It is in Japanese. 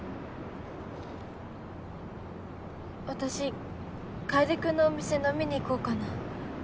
私楓君のお店飲みに行こうかな。